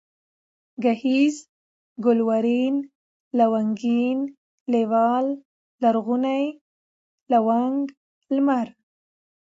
گهيځ ، گلورين ، لونگين ، لېوال ، لرغون ، لونگ ، لمر